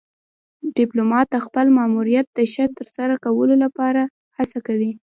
ډيپلومات د خپل ماموریت د ښه ترسره کولو لپاره هڅه کوي.